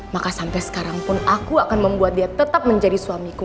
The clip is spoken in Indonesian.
maka sampai sekarang pun aku akan membuat dia tetap menjadi suamiku